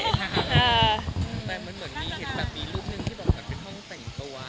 แต่มันเหมือนมีเหตุผลครู